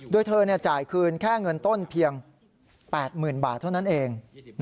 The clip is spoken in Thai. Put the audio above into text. โดยเธอจ่ายคืนแค่เงินต้นเพียง๘๐๐๐บาทเท่านั้นเอง